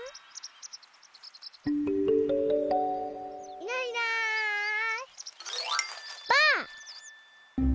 いないいないばあっ！